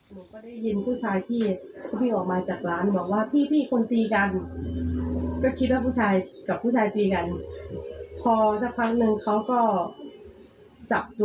มึงก็รีบขึ้นเอาส่วนสำหรับคนที่ร้าย